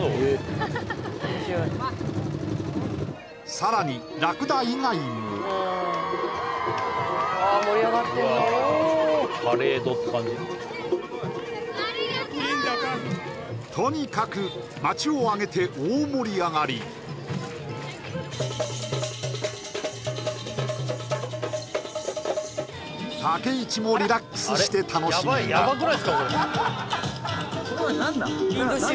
さらにラクダ以外もとにかく町を挙げて大盛り上がり武市もリラックスして楽しんだすごい何だ何だ？